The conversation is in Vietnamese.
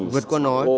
vượt qua nó